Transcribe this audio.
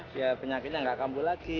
biar penyakitnya gak kampul lagi